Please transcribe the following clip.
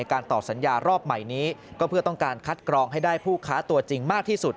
การตอบสัญญารอบใหม่นี้ก็เพื่อต้องการคัดกรองให้ได้ผู้ค้าตัวจริงมากที่สุด